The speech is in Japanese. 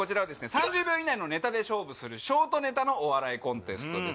３０秒以内のネタで勝負するショートネタのお笑いコンテストです